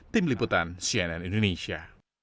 tim liputan cnn indonesia